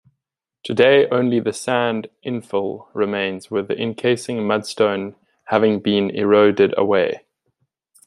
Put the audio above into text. Today only the sand infill remains, with the encasing mudstone having been eroded away.